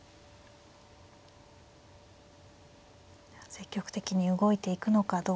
積極的に動いていくのかどうか。